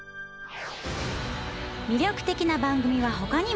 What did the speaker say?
魅力的な番組はほかにも続々。